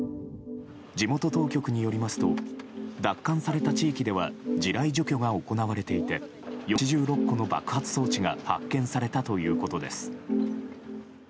地元当局によりますと奪還された地域では地雷除去が行われていて４８８６個の爆発装置が発見されたということです。